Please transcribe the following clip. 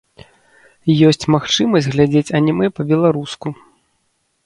Ёсць магчымасць глядзець анімэ па-беларуску.